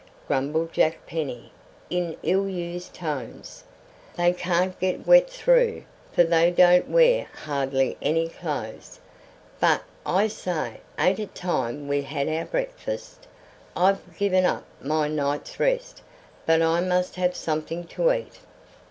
grumbled Jack Penny in ill used tones. "They can't get wet through, for they don't wear hardly any clothes. But, I say, ain't it time we had our breakfast? I've given up my night's rest, but I must have something to eat."